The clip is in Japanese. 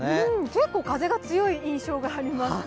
結構風が強い印象があります。